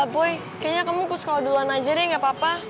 boy kayaknya kamu kus kalau duluan aja deh gak apa apa